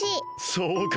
そうか！